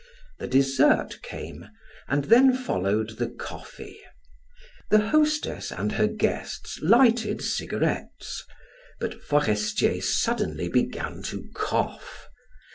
The dessert came and then followed the coffee. The hostess and her guests lighted cigarettes, but Forestier suddenly began to cough.